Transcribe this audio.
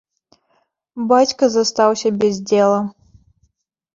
Бацька застаўся без дзела.